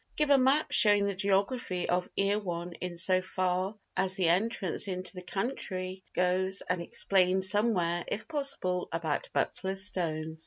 Give a map showing the geography of Erewhon in so far as the entrance into the country goes, and explain somewhere, if possible, about Butler's stones.